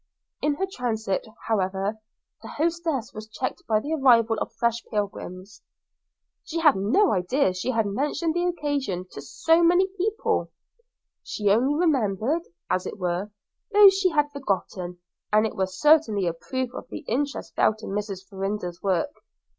In her transit, however, the hostess was checked by the arrival of fresh pilgrims; she had no idea she had mentioned the occasion to so many people she only remembered, as it were, those she had forgotten and it was certainly a proof of the interest felt in Mrs. Farrinder's work.